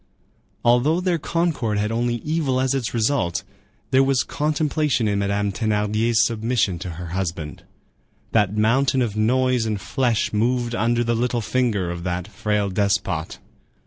Although their concord had only evil as its result, there was contemplation in Madame Thénardier's submission to her husband. That mountain of noise and of flesh moved under the little finger of that frail despot.